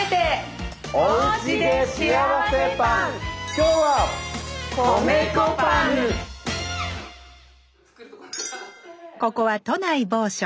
今日はここは都内某所。